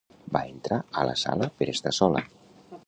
Va entrar a la sala per estar sola.